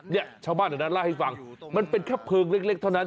เนี่ยชาวบ้านแถวนั้นเล่าให้ฟังมันเป็นแค่เพลิงเล็กเท่านั้น